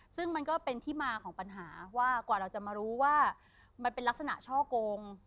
ซึ่งมันก็เป็นที่มาของปัญหาว่ากว่าเราจะมารู้ว่ามันเป็นลักษณะช่อกง